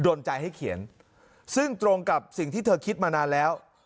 โดนใจให้เขียนซึ่งตรงกับสิ่งที่เธอคิดมานานแล้ว